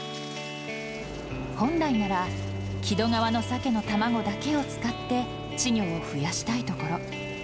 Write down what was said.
本来なら木戸川のサケの卵だけを使って稚魚を増やしたいところ。